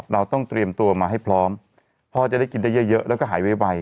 เราต้องเตรียมตัวมาให้พร้อมพ่อจะได้กินได้เยอะแล้วก็หายไว